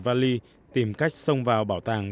vali tìm cách xông vào bảo tàng